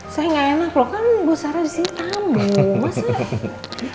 saya gak enak lho kan bu sarah disini tamu masa